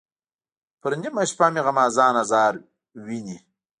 پر نیمه شپه مې غمازان آزار ویني.